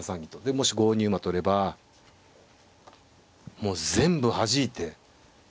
でもし５二馬と寄ればもう全部はじいて。